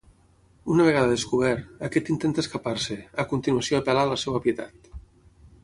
Una vegada descobert, aquest intenta escapar-se, a continuació apel·la a la seva pietat.